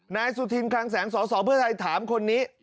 นายสุธินคลังแสงสสเพื่อไทยถามคนนี้